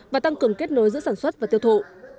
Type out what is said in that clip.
và tăng cường kết nối giữa sản xuất và tiêu thụ